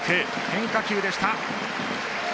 変化球でした。